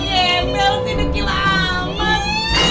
nge bel sih ini gebel amat